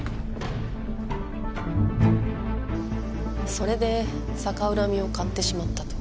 それで逆恨みを買ってしまったと。